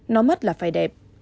nó mất là phải đẹp